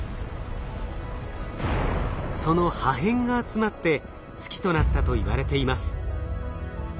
その破片が集まって月となったといわれています。